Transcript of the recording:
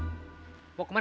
apa yang kamu buat kemarin